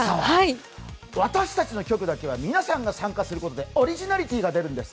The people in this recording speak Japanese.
私たちの局だけは皆さんが参加してくれることでオリジナリティーが出るんです。